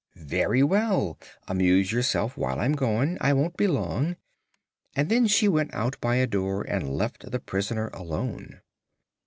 "Very well; amuse yourself while I'm gone; I won't be long," and then she went out by a door and left the prisoner alone.